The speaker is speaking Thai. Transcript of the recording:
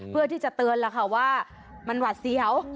เพื่อที่จะเตือนแล้วค่ะว่ามันหวัดเสียว